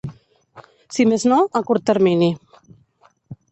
Si més no, a curt termini.